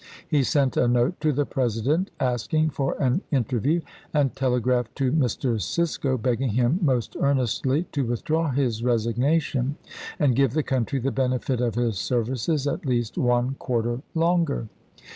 He sent a note to the President asking for an inter view, and telegraphed to Mr. Cisco, begging him most earnestly to withdraw his resignation and give the country the benefit of his services at least to Lincoln, one quarter longer.